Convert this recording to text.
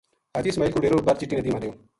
حاجی اسماعیل کو ڈیرو بر چٹی ندی ما رہیو